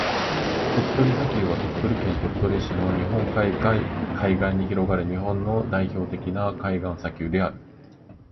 鳥取砂丘は、鳥取県鳥取市の日本海海岸に広がる日本の代表的な海岸砂丘である。